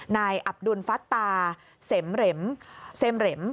นายอับดุลฟัตาเสมเหร็ม